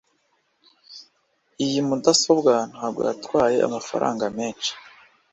iyi mudasobwa ntabwo yatwaye amafaranga menshi.